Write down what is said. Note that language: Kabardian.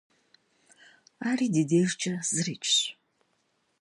Ari di dêjjç'e zıriç'ş.